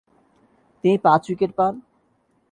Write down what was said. তিনি পাঁচ উইকেট পান।